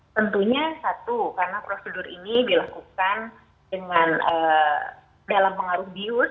tentunya satu karena prosedur ini dilakukan dengan dalam pengaruh bius